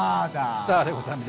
スターでございます。